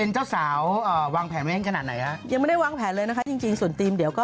ช่วงหน้าค่อย